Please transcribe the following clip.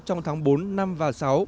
trong tháng bốn năm và sáu